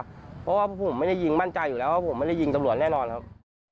เพราะว่าผมไม่ได้ยิงมั่นใจอยู่แล้วว่าผมไม่ได้ยิงตำรวจแน่นอนครับ